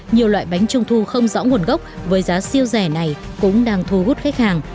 nhiều loại bánh trung thu không rõ nguồn gốc với giá siêu rẻ này cũng đang thu hút khách hàng